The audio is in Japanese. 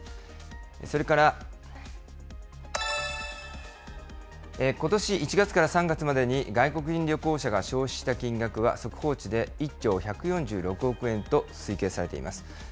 それから、ことし１月から３月までに外国人旅行者が消費した金額は、速報値で１兆１４６億円と推計されています。